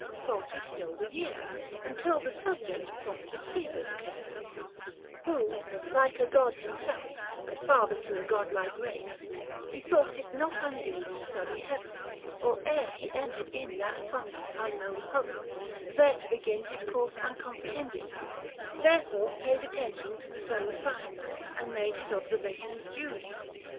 Faulty still the year, Until the subject prompted Caesar's care ; Who, tho' a god himself and father to 1(55 A godlike race, bethought it not undue To study heaven, or ere he entered in That promised unknown home, there to begin His course uncomprehended : therefore paid Attention to the solar signs, and made 170 His observations duly.